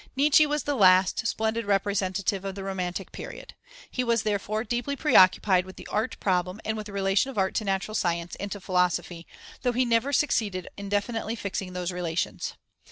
Nietzsche was the last, splendid representative of the romantic period. He was, therefore, deeply preoccupied with the art problem and with the relation of art to natural science and to philosophy, though he never succeeded in definitely fixing those relations.